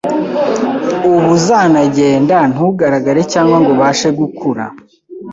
uba uzanagenda ntugaragare cyangwa ngo ubashe gukura,